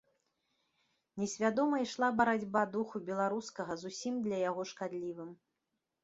Несвядома ішла барацьба духу беларускага з усім для яго шкадлівым.